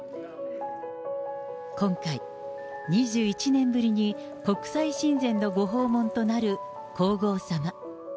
今回、２１年ぶりに国際親善のご訪問となる皇后さま。